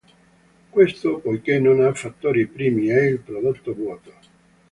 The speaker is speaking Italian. Questo poiché non ha fattori primi; è il prodotto vuoto.